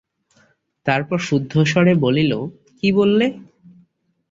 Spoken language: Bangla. তারপর শুদ্ধস্বরে বলিল, কী বললে?